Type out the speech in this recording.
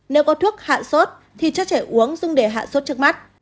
nếu có thuốc hạ sốt thì cho trẻ uống dùng để hạ sốt trước mắt